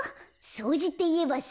そうじっていえばさ